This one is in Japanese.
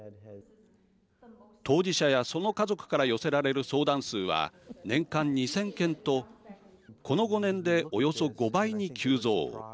当事者やその家族から寄せられる相談数は年間２０００件とこの５年でおよそ５倍に急増。